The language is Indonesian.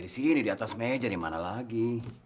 di sini di atas meja yang mana lagi